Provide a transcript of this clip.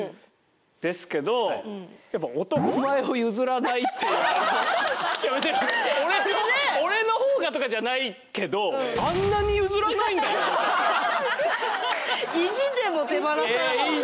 ですけどやっぱ「俺の方が」とかじゃないけど意地でも。